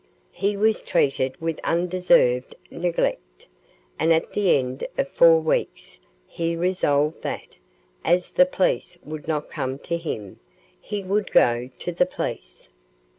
He was treated with undeserved neglect, and at the end of four weeks he resolved that, as the police would not come to him, he would go to the police.